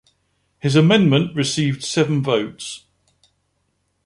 His amendment received seven votes.